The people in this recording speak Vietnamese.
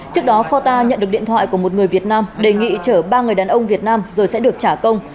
trước đó kho ta nhận được điện thoại của một người việt nam đề nghị chở ba người đàn ông việt nam rồi sẽ được trả công